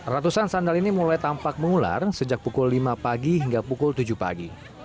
ratusan sandal ini mulai tampak mengular sejak pukul lima pagi hingga pukul tujuh pagi